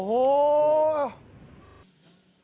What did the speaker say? โอ้โห